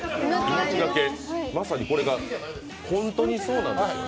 まさにこれが、本当にそうなんですね。